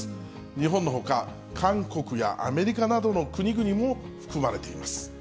日本のほか、韓国やアメリカなどの国々も含まれています。